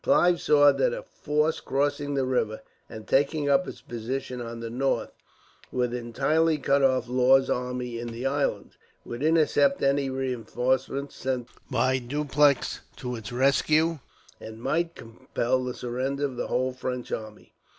Clive saw that a force crossing the river, and taking up its position on the north, would entirely cut off Law's army in the island; would intercept any reinforcements sent by Dupleix to its rescue; and might compel the surrender of the whole French army.